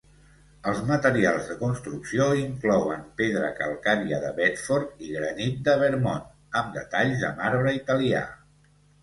Els materials de construcció inclouen pedra calcària de Bedford i granit de Vermont amb detalls de marbre italià.